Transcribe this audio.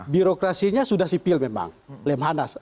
birokrasinya sudah sipil memang lemhanas